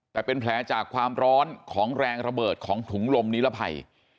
แต่เป็นแผลจากความร้อนของแรงระเบิดของถุงลมนิรภัย